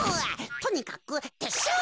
とにかくてっしゅう。